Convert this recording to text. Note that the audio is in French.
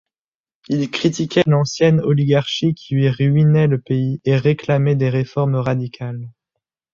Il critiquait l'ancienne oligarchie qui ruinait le pays et réclamait des réformes radicales.